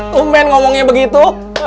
tumben ngomongnya begitu